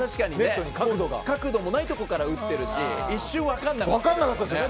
角度もないところから打っているし一瞬分からなかったよね。